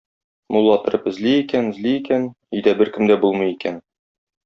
Мулла торып эзли икән, эзли икән - өйдә беркем дә булмый икән.